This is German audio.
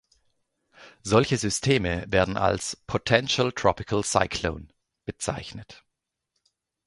Solche Systeme werden als "Potential tropical cyclone" bezeichnet.